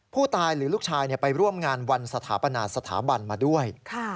ผู้ตายหรือลูกชายไปร่วมงานวันสถาปนาสถาบันมาด้วย